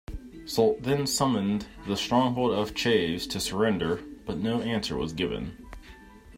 Soult then summoned the stronghold of Chaves to surrender, but no answer was given.